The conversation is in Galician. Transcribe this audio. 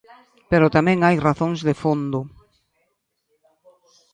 Pero tamén hai razóns de fondo.